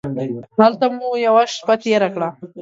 هلته مو یوه شپه تېره کړه.